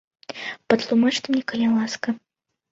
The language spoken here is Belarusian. Патлумачце мне, калі ласка.